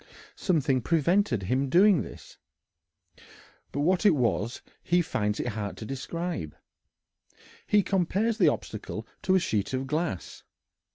Something prevented his doing this, but what it was he finds it hard to describe. He compares the obstacle to a sheet of glass.